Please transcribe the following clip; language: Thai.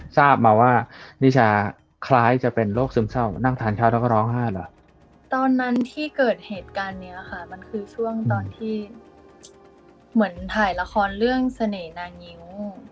ตอนนั้นที่เกิดเหตุการณ์เนี้ยค่ะมันคือช่วงตอนที่เหมือนถ่ายละครเรื่องเสน่ห์นางนิ้ว